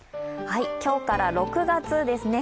今日から６月ですね。